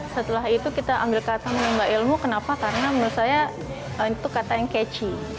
setelah itu kita ambil kata menimba ilmu kenapa karena menurut saya itu kata yang catchy